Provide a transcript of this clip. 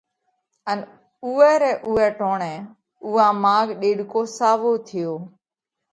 ان اُوئہ رئہ اُوئہ ٽوڻئہ اُوئا ماڳ ڏيڏڪو ساوو ٿيو۔